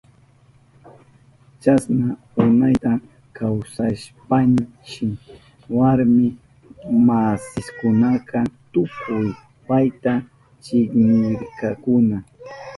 Chasna unayta kawsashpanshi warmi masinkunaka tukuy payta chiknirkakuna.